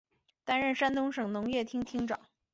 担任山东省农业厅厅长。